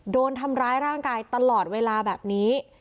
โดนทำร้ายร่างกายตลอดเวลาแบบนี้